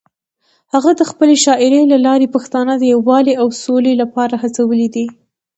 هغه د خپلې شاعرۍ له لارې پښتانه د یووالي او سولې لپاره هڅولي دي.